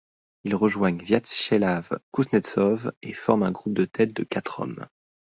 Ils rejoignent Viatcheslav Kouznetsov et forment un groupe de tête de quatre hommes.